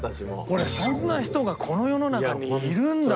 俺そんな人がこの世の中にいるんだと。